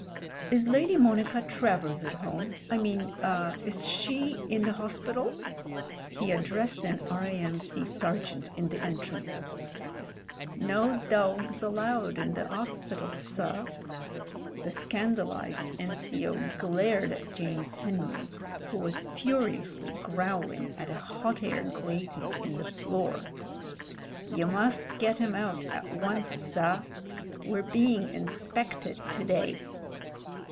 "Is Lady Monica Travers at home; I mean— er — is she in the hospital?" He addressed an R.A.M.C sergeant in the entrance. "No dawgs allowed in the 'ospital, sir." The scan dalised N.C.O. glared at James Henry, who was furi ously growling at a hot air grating in the floor. "You must get 'im out at once, sir: we're being inspected to day."